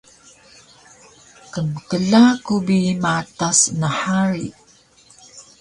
Kmkla ku bi matas nhari